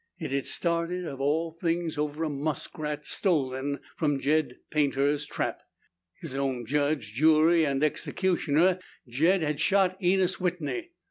It had started, of all things, over a muskrat stolen from Jed Paynter's trap. His own judge, jury, and executioner, Jed had shot Enos Whitney.